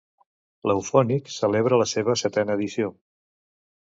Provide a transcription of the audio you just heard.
L'Eufònic celebra la seva setena edició.